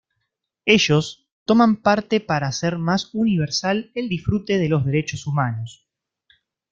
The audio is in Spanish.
Ellos toman parte para hacer más universal el disfrute de los derechos humanos.